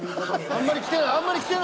あんまりきてない。